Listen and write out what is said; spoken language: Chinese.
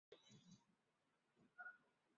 其亦被认为是以色列建国一代的最后一人。